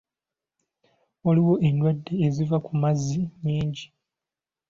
Waliwo endwadde eziva ku mazzi nnyingi.